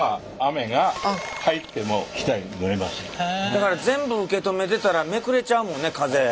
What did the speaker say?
だから全部受け止めてたらめくれちゃうもんね風。